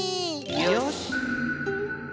よし。